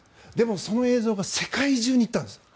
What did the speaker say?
その映像が世界中に行ったんです。